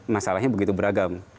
masalahnya begitu beragam